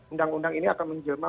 undang undang ini akan menjelma